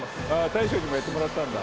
大将にもやってもらったんだ。